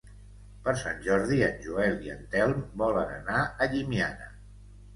Per Sant Jordi en Joel i en Telm volen anar a Llimiana.